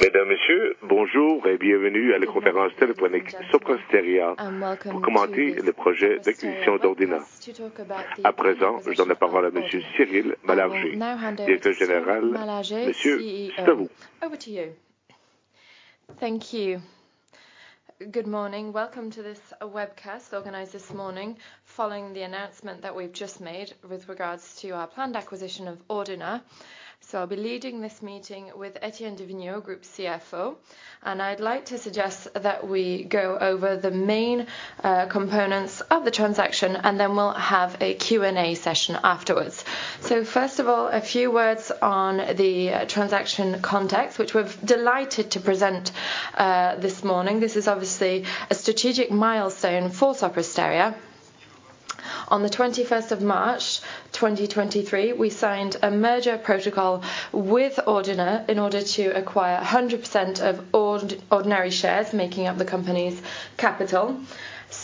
Thank you. Good morning. Welcome to this webcast organized this morning following the announcement that we've just made with regards to our planned acquisition of Ordina. I'll be leading this meeting with Etienne du Vignaux, Group CFO, and I'd like to suggest that we go over the main components of the transaction, and then we'll have a Q&A session afterwards. First of all, a few words on the transaction context, which we're delighted to present this morning. This is obviously a strategic milestone for Sopra Steria. On the 21st of March, 2023, we signed a Merger Protocol with Ordina in order to acquire 100% of ordinary shares, making up the company's capital.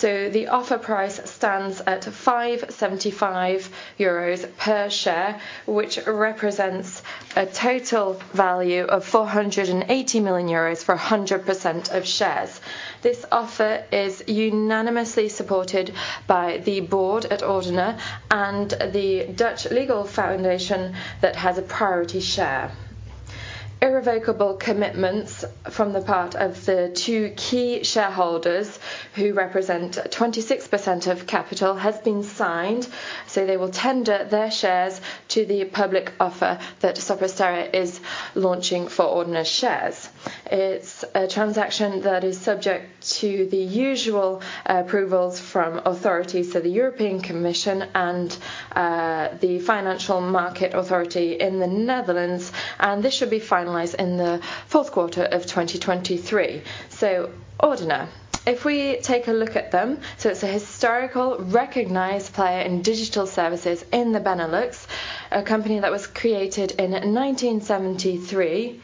The offer price stands at 5.75 euros per share, which represents a total value of 480 million euros for 100% of shares. This offer is unanimously supported by the board at Ordina and the Dutch Legal Foundation that has a priority share. Irrevocable commitments from the part of the two key shareholders who represent 26% of capital has been signed, they will tender their shares to the public offer that Sopra Steria is launching for Ordina shares. It's a transaction that is subject to the usual approvals from authorities, the European Commission and the Netherlands Authority for the Financial Markets, this should be finalized in the fourth quarter of 2023. Ordina. If we take a look at them, it's a historical recognized player in digital services in the Benelux, a company that was created in 1973.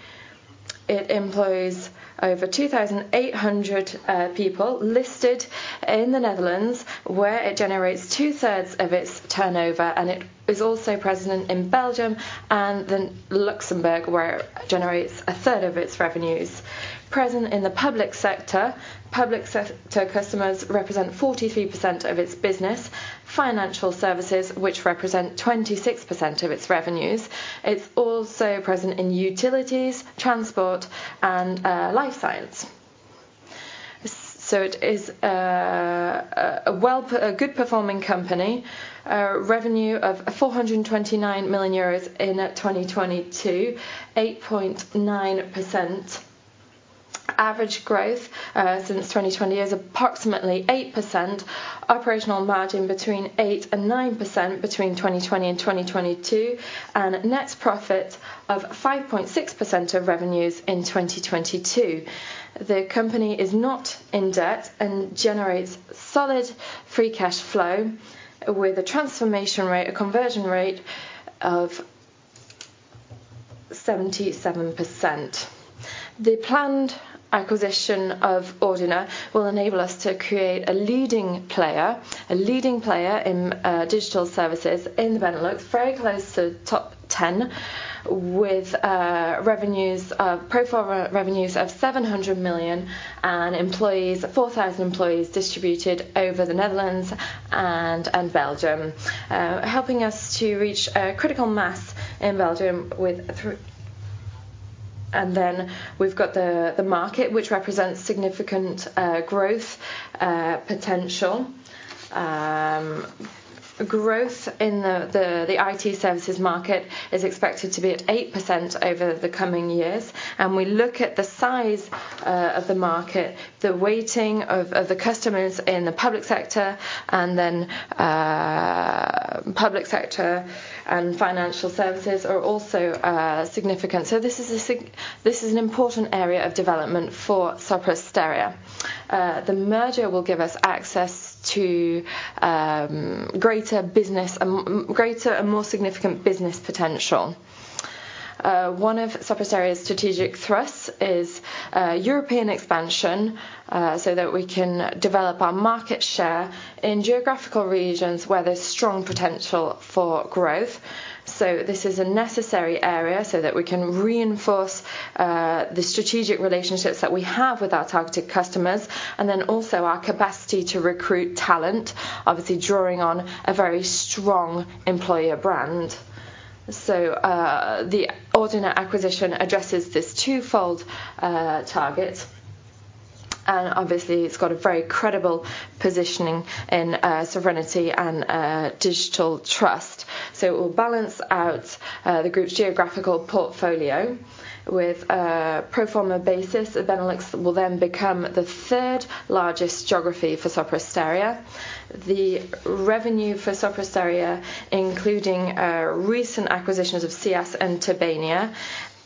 It employs over 2,800 people listed in the Netherlands, where it generates two-thirds of its turnover, and it is also present in Belgium and then Luxembourg, where it generates a third of its revenues. Present in the public sector. Public sector customers represent 43% of its business. Financial services, which represent 26% of its revenues. It's also present in utilities, transport and life science. So it is a good performing company. Revenue of 429 million euros in 2022, 8.9%. Average growth since 2020 is approximately 8%. Operational margin between 8% and 9% between 2020 and 2022, and net profit of 5.6% of revenues in 2022. The company is not in debt and generates solid free cash flow with a transformation rate, a conversion rate of 77%. The planned acquisition of Ordina will enable us to create a leading player in digital services in the Benelux, very close to top 10 with revenues of, pro forma revenues of 700 million and employees, 4,000 employees distributed over the Netherlands and Belgium, helping us to reach a critical mass in Belgium with. We've got the market, which represents significant growth potential. Growth in the IT services market is expected to be at 8% over the coming years. We look at the size of the market, the weighting of the customers in the public sector, public sector and financial services are also significant. This is an important area of development for Sopra Steria. The merger will give us access to greater business and greater and more significant business potential. One of Sopra Steria's strategic thrusts is European expansion so that we can develop our market share in geographical regions where there's strong potential for growth. This is a necessary area so that we can reinforce the strategic relationships that we have with our targeted customers, also our capacity to recruit talent, obviously drawing on a very strong employer brand. The Ordina acquisition addresses this twofold target, and obviously, it's got a very credible positioning in sovereignty and digital trust. It will balance out the group's geographical portfolio with a pro forma basis. Benelux will then become the third-largest geography for Sopra Steria. The revenue for Sopra Steria, including recent acquisitions of CS Group and Tobania,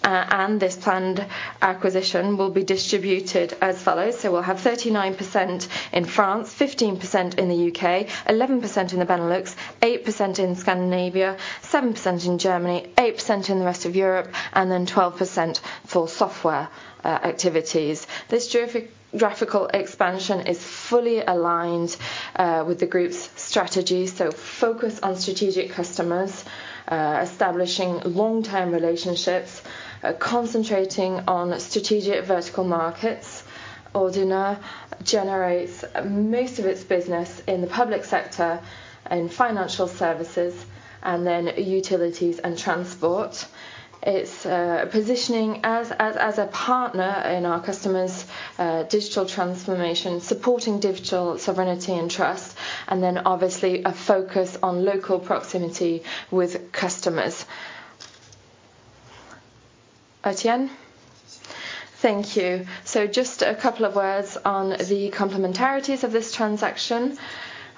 and this planned acquisition will be distributed as follows. We'll have 39% in France, 15% in the U.K., 11% in the Benelux, 8% in Scandinavia, 7% in Germany, 8% in the rest of Europe, and then 12% for software activities. This geographical expansion is fully aligned with the group's strategy. Focus on strategic customers, establishing long-term relationships, concentrating on strategic vertical markets. Ordina generates most of its business in the public sector, in financial services, and then utilities and transport. It's positioning as a partner in our customers' digital transformation, supporting digital sovereignty and trust, and then obviously a focus on local proximity with customers. Etienne du Vignaux? Thank you. Just a couple of words on the complementarities of this transaction.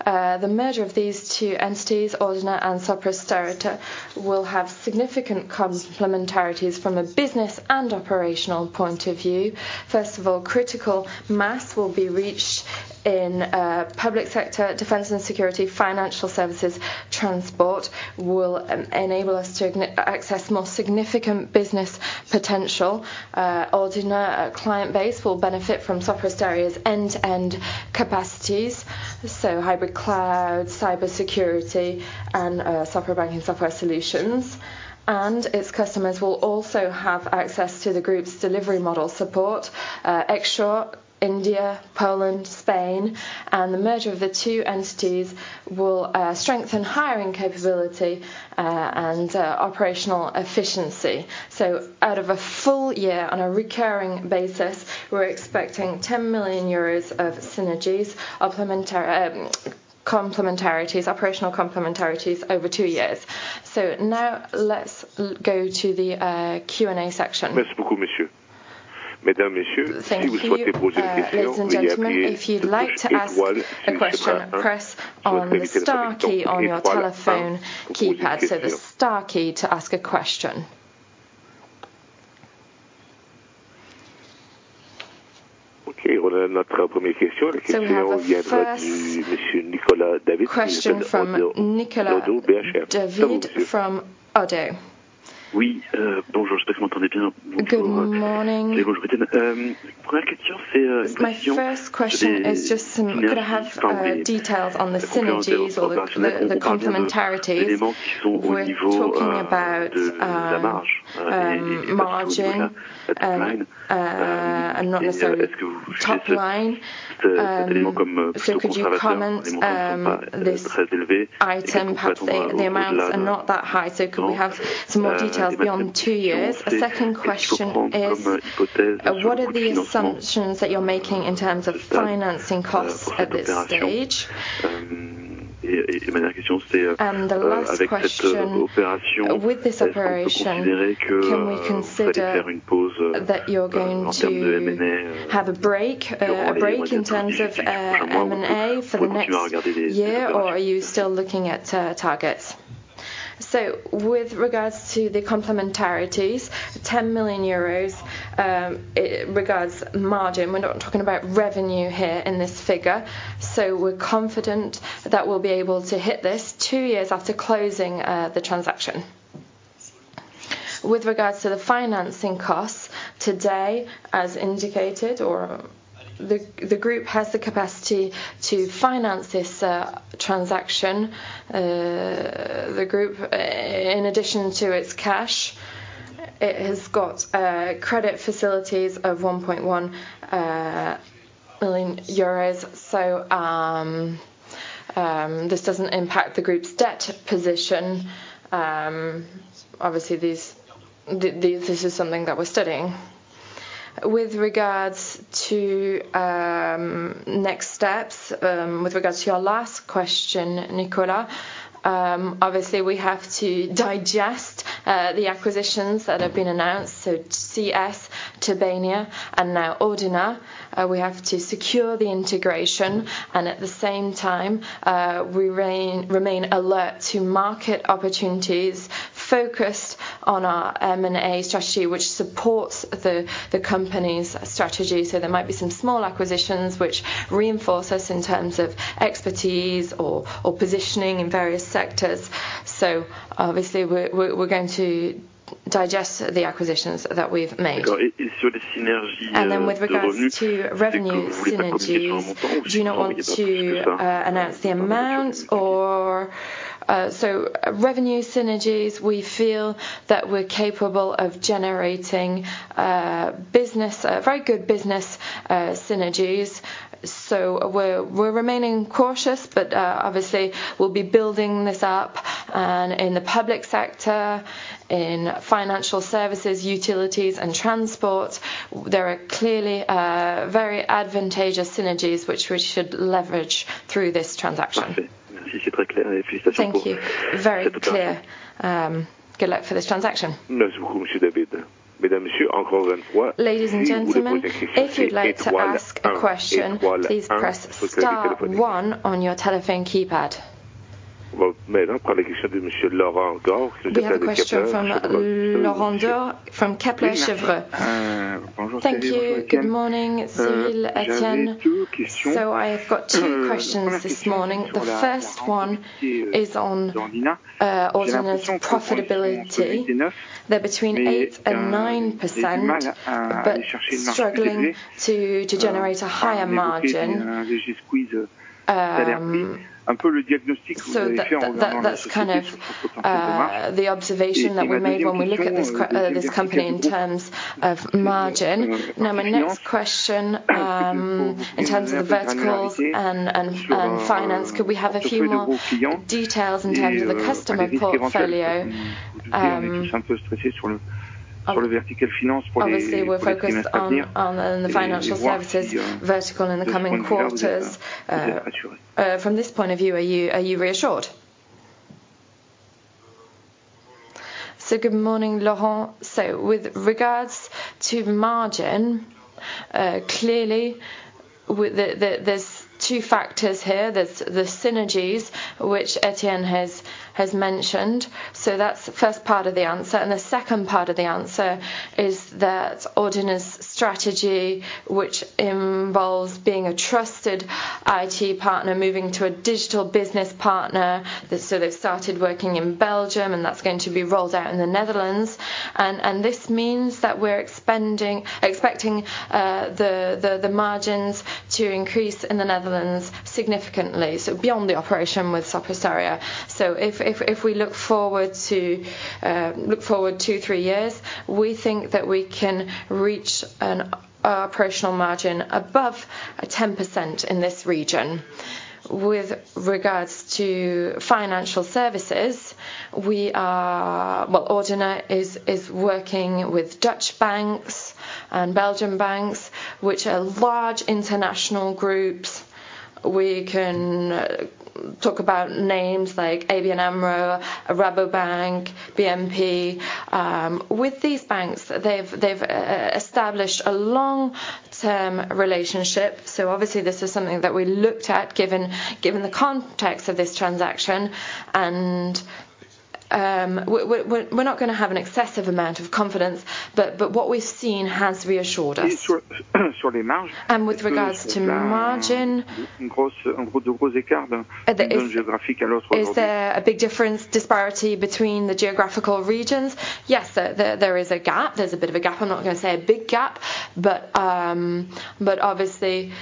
The merger of these two entities, Ordina and Sopra Steria, will have significant complementarities from a business and operational point of view. First of all, critical mass will be reached in public sector, defense and security, financial services. Transport will enable us to access more significant business potential. Ordina client base will benefit from Sopra Steria's end-to-end capacities, so hybrid cloud, cybersecurity and Sopra Banking Software solutions. Its customers will also have access to the group's delivery model support, offshore India, Poland, Spain. The merger of the two entities will strengthen hiring capability and operational efficiency. Out of a full year, on a recurring basis, we're expecting 10 million euros of synergies, complementarities, operational complementarities over two years. Now let's go to the Q&A section. Thank you. Ladies and gentlemen, if you'd like to ask a question, press on the star key on your telephone keypad. The star key to ask a question. We have a 1st question from Nicolas David from Oddo. Good morning. My first question is could I have details on the synergies or the complementarities we're talking about, margin, and not necessarily top line. Could you comment, this item, perhaps the amounts are not that high, so could we have some more details beyond two years? A second question is, what are the assumptions that you're making in terms of financing costs at this stage? The last question, with this operation, can we consider that you're going to have a break, a break in terms of M&A for the next year, or are you still looking at targets? With regards to the complementarities, 10 million euros, it regards margin. We're not talking about revenue here in this figure. We're confident that we'll be able to hit this two years after closing the transaction. With regards to the financing costs, today, as indicated, the group has the capacity to finance this transaction. The group, in addition to its cash, it has got credit facilities of 1.1 million euros. This doesn't impact the group's debt position. Obviously this is something that we're studying. With regards to next steps, with regards to your last question, Nicolas, obviously we have to digest the acquisitions that have been announced, so CS, Tobania and now Ordina. We have to secure the integration and at the same time, we remain alert to market opportunities focused on our M&A strategy, which supports the company's strategy. There might be some small acquisitions which reinforce us in terms of expertise or positioning in various sectors. Obviously we're going to digest the acquisitions that we've made. With regards to revenue synergies, do you not want to announce the amount or? Revenue synergies, we feel that we're capable of generating very good business synergies. We're remaining cautious, but obviously we'll be building this up, and in the public sector, in Financial Services, utilities and transport, there are clearly very advantageous synergies which we should leverage through this transaction. Thank you. Very clear. Good luck for this transaction. Ladies and gentlemen, if you'd like to ask a question, please press star one on your telephone keypad. We have a question from Laurent Daure from Kepler Cheuvreux. Thank you. Good morning, Cyril, Etienne. I have got two questions this morning. The first one is on Ordina's profitability. They're between 8% and 9%, but struggling to generate a higher margin. That's kind of the observation that we made when we look at this company in terms of margin. Now, my next question, in terms of the vertical and finance, could we have a few more details in terms of the customer portfolio? Obviously we're focused on the financial services vertical in the coming quarters. From this point of view, are you reassured? Good morning, Laurent. With regards to margin, clearly there's two factors here. There's the synergies which Etienne du Vignaux has mentioned. That's the first part of the answer. The second part of the answer is that Ordina's strategy, which involves being a trusted IT partner, moving to a digital business partner. They've started working in Belgium, and that's going to be rolled out in the Netherlands. This means that we're expecting the margins to increase in the Netherlands significantly. Beyond the operation with Sopra Steria. If we look forward two, three years, we think that we can reach an operational margin above 10% in this region. With regards to financial services, Well, Ordina is working with Dutch banks and Belgian banks, which are large international groups. We can talk about names like ABN AMRO, Rabobank, BNP. With these banks, they've established a long-term relationship. Obviously this is something that we looked at given the context of this transaction. We're not gonna have an excessive amount of confidence, but what we've seen has reassured us. With regards to margin, is there a big disparity between the geographical regions? Yes, there is a gap. There's a bit of a gap. I'm not gonna say a big gap. Obviously,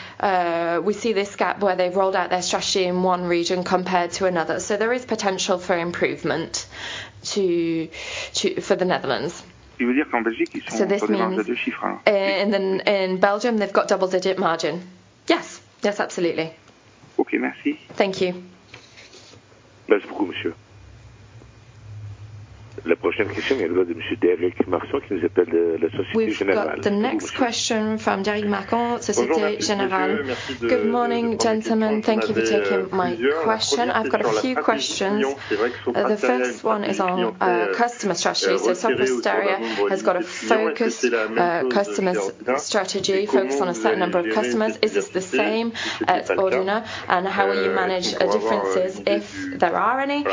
we see this gap where they've rolled out their strategy in one region compared to another. There is potential for improvement for the Netherlands. In Belgium, they've got double-digit margin. Yes. Yes, absolutely. Okay, merci. Thank you. We've got the next question from Derric Marcon, Société Générale. Good morning, gentlemen. Thank you for taking my question. I've got a few questions. The first one is on customer strategy. Sopra Steria has got a focused customer strategy, focused on a certain number of customers. Is this the same at Ordina? How will you manage differences if there are any?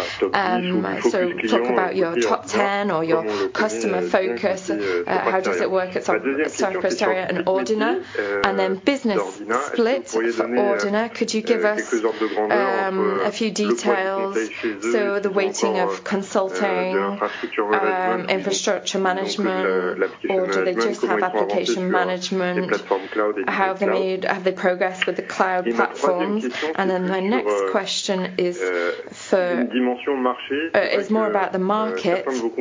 Talk about your top ten or your customer focus. How does it work at Sopra Steria and Ordina? Business split for Ordina, could you give us a few details? The weighting of consulting, infrastructure management, or do they just have application management? How have they progressed with the cloud platforms? My next question is more about the market.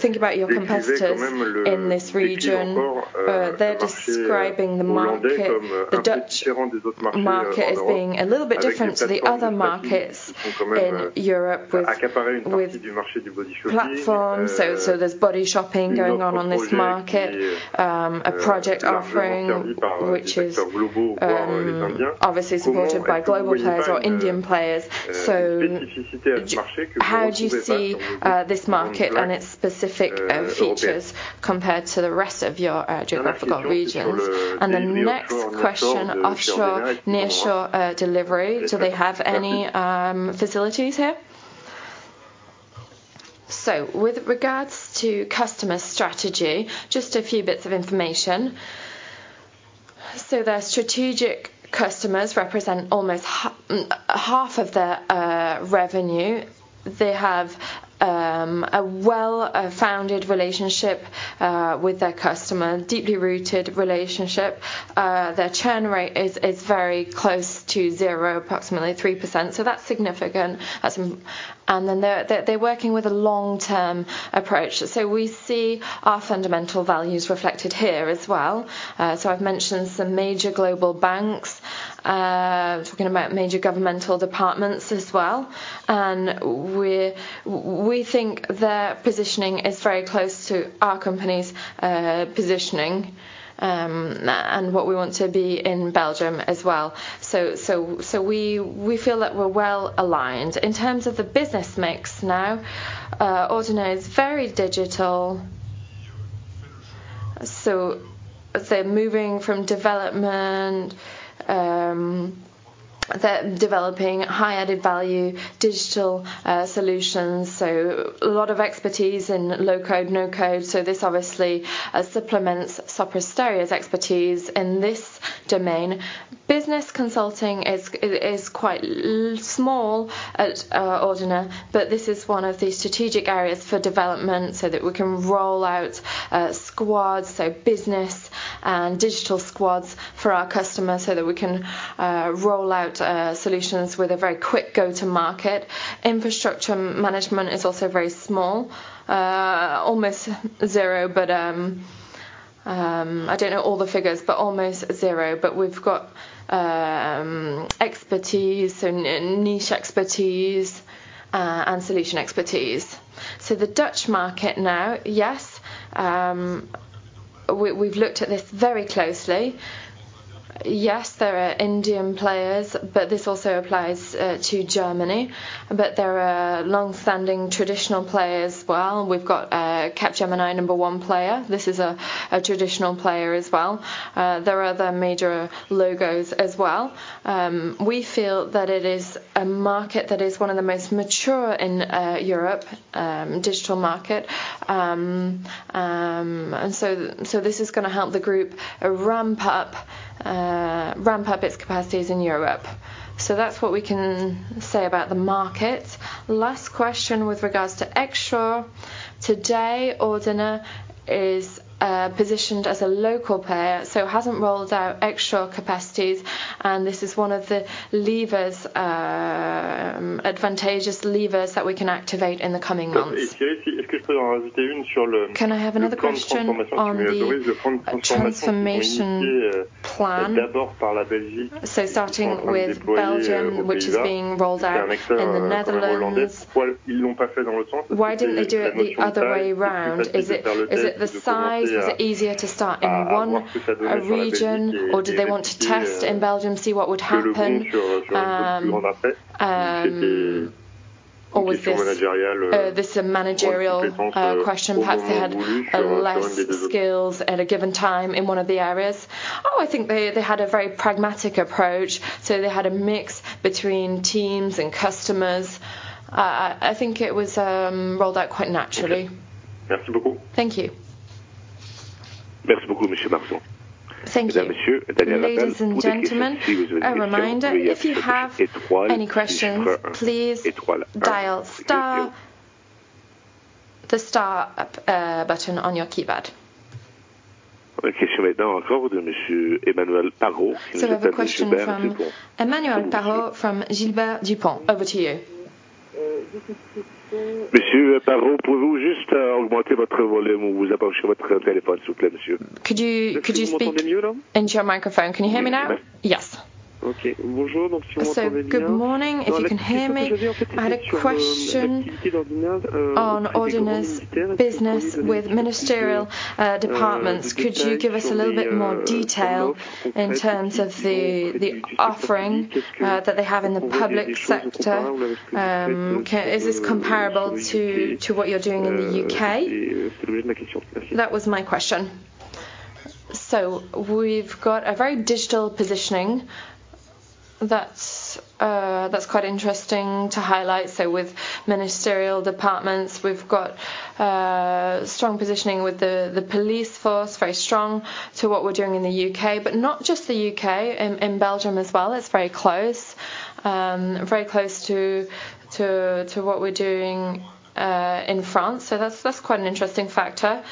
Think about your competitors in this region. They're describing the market, the Dutch market as being a little bit different to the other markets in Europe with platforms. There's body shopping going on on this market. A project offering which is obviously supported by global players or Indian players. How do you see this market and its specific features compared to the rest of your geographical regions? The next question, offshore, nearshore delivery. Do they have any facilities here? With regards to customer strategy, just a few bits of information. Their strategic customers represent almost half of their revenue. They have a well-founded relationship with their customer, deeply rooted relationship. Their churn rate is very close to zero, approximately 3%, that's significant. They're working with a long-term approach. We see our fundamental values reflected here as well. I've mentioned some major global banks, talking about major governmental departments as well. We think their positioning is very close to our company's positioning, and what we want to be in Belgium as well. We feel that we're well aligned. In terms of the business mix now, Ordina is very digital. They're moving from development, they're developing high added value digital solutions, so a lot of expertise in low code/no code. This obviously supplements Sopra Steria's expertise in this domain. Business consulting is quite small at Ordina, but this is one of the strategic areas for development so that we can roll out squads, so business and digital squads for our customers so that we can roll out solutions with a very quick go-to market. Infrastructure management is also very small, almost zero, but. I don't know all the figures, but almost zero. We've got expertise and niche expertise and solution expertise. The Dutch market now, yes, we've looked at this very closely. Yes, there are Indian players, but this also applies to Germany, but there are longstanding traditional players as well. We've got Capgemini, number one player. This is a traditional player as well. There are other major logos as well. We feel that it is a market that is one of the most mature in Europe, digital market. So this is gonna help the group ramp up its capacities in Europe. That's what we can say about the market. Last question with regards to onshore. Today, Ordina is positioned as a local player, hasn't rolled out onshore capacities, and this is one of the levers, advantageous levers that we can activate in the coming months. Can I have another question on the transformation plan? Starting with Belgium, which is being rolled out in the Netherlands, why didn't they do it the other way around? Is it the size? Is it easier to start in one region, or did they want to test in Belgium, see what would happen? Or was this a managerial question? Perhaps they had less skills at a given time in one of the areas. I think they had a very pragmatic approach. They had a mix between teams and customers. I think it was rolled out quite naturally. Thank you. Thank you. Ladies and gentlemen, a reminder, if you have any questions, please dial star button on your keypad. We have a question from Emmanuel Parot from Gilbert Dupont. Over to you. Could you speak into your microphone? Can you hear me now? Yes. Okay. Good morning, if you can hear me. I had a question on Ordina's business with ministerial departments. Could you give us a little bit more detail in terms of the offering that they have in the public sector? Okay, is this comparable to what you're doing in the U.K.? That was my question. We've got a very digital positioning that's quite interesting to highlight. With ministerial departments, we've got strong positioning with the police force, very strong to what we're doing in the U.K. Not just the U.K., in Belgium as well, it's very close, very close to what we're doing in France. That's quite an interesting factor.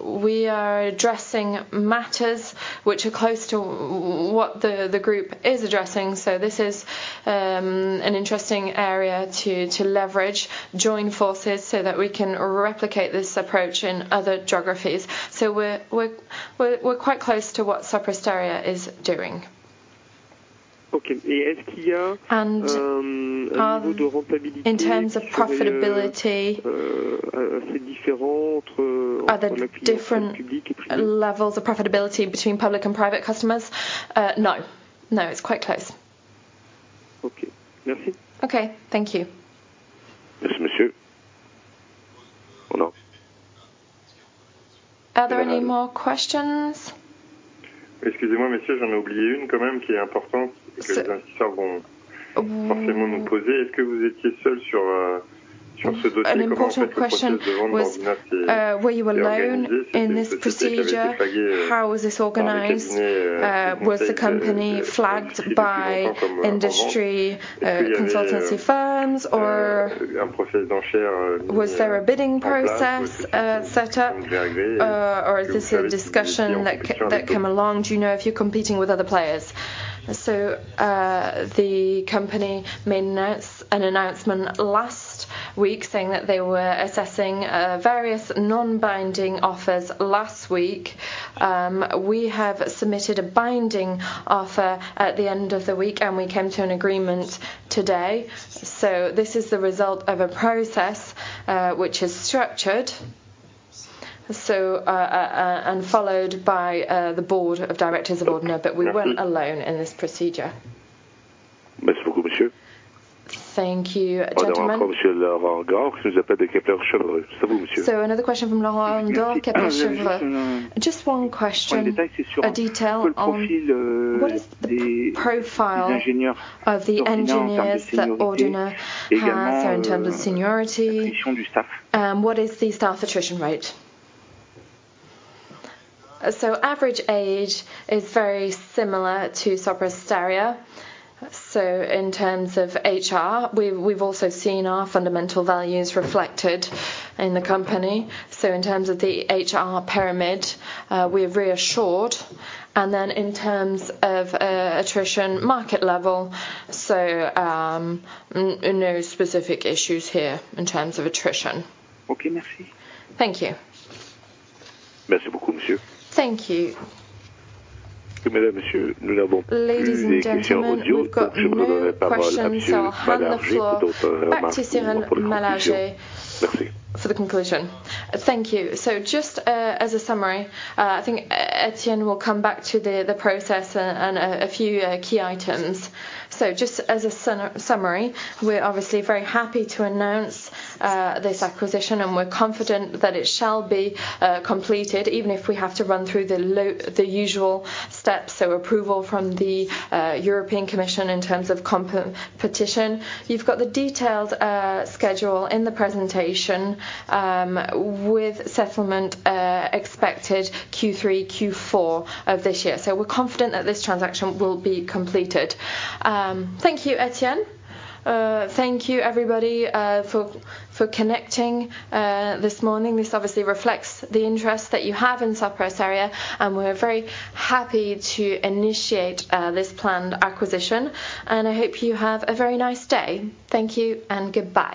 We are addressing matters which are close to what the group is addressing. This is an interesting area to leverage, join forces so that we can replicate this approach in other geographies. We're quite close to what Sopra Steria is doing. Okay. In terms of profitability- Are there different levels of profitability between public and private customers? No. No, it's quite close. Okay. Okay. Thank you. Are there any more questions? An important question was, were you alone in this procedure? How was this organized? Was the company flagged by industry, consultancy firms? Was there a bidding process set up? Is this a discussion that come along? Do you know if you're competing with other players? The company made an announcement last week saying that they were assessing various non-binding offers last week. We have submitted a binding offer at the end of the week, and we came to an agreement today. This is the result of a process which is structured and followed by the board of directors of Ordina, but we weren't alone in this procedure. Thank you, gentleman. Another question from Laurent Daure, Kepler Cheuvreux. Just one question, a detail on what is the profile of the engineers that Ordina has in terms of seniority? What is the staff attrition rate? Average age is very similar to Sopra Steria. In terms of HR, we've also seen our fundamental values reflected in the company. In terms of the HR pyramid, we're reassured. In terms of attrition market level, no specific issues here in terms of attrition. Okay. Merci. Thank you. Thank you. Ladies and gentlemen, we've got no questions. I'll hand the floor back to Cyril Malargé for the conclusion. Thank you. Just as a summary, I think Etienne will come back to the process and a few key items. Just as a summary, we're obviously very happy to announce this acquisition. We're confident that it shall be completed even if we have to run through the usual steps, approval from the European Commission in terms of competition. You've got the detailed schedule in the presentation, with settlement expected Q3, Q4 of this year. We're confident that this transaction will be completed. Thank you, Etienne. Thank you everybody for connecting this morning. This obviously reflects the interest that you have in Sopra Steria, and we're very happy to initiate this planned acquisition. I hope you have a very nice day. Thank you and goodbye.